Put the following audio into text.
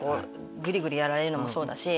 グリグリやられるのもそうだし